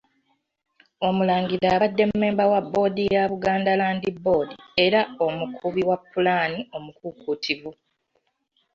Omulangira abadde Mmemba wa Bboodi ya Buganda Land Board era omukubi wa pulaani omukuukuutivu.